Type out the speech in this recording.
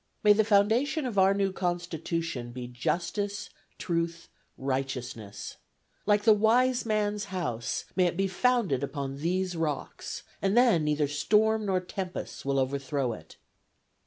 "May the foundation of our new Constitution be Justice, Truth, Righteousness! Like the wise man's house, may it be founded upon these rocks, and then neither storm nor tempests will overthrow it!"